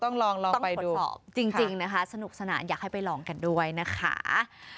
ลองต้องตรวจสอบจริงนะคะสนุกสนานอยากให้ไปลองกันด้วยนะคะ